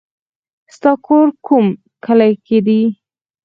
ستا کور کوم کلي کې دی